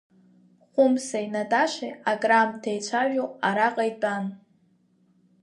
Хәымсеи Наташеи акраамҭа еицәажәо араҟа итәан.